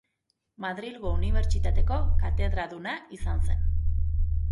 Madrilgo unibertsitateko katedraduna izan zen.